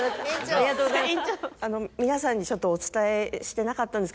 ありがとうございます。